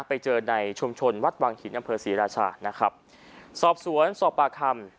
ไปเจอในชุมชนวัดวังหินอำเภอศรีราชานะครับสอบสวนสอบปากคำ